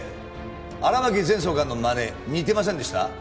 荒牧前総監のまね似てませんでした？